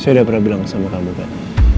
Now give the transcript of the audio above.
saya sudah pernah bilang sama kamu pak